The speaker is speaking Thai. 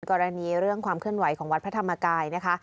กรณีเรื่องความเคลื่อนไหวของวัดพระธรรมกายนะคะ